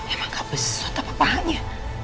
emang kabes otak otaknya